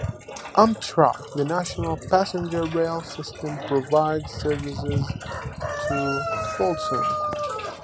Amtrak, the national passenger rail system, provides service to Fulton.